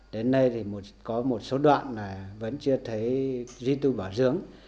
đường dây thì có một số đoạn là vẫn chưa thấy duy tư bảo dưỡng